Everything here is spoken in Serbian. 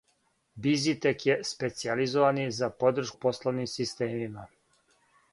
Бизитек је специјализован за подршку пословним системима.